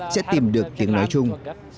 sẽ tìm được tiếng nói chung